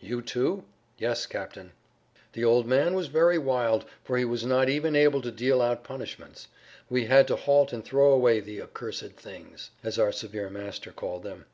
"You, too?" "Yes, captain." The old man was very wild, for he was not even able to deal out punishments. We had to halt and throw away the "accursed things," as our severe master called them.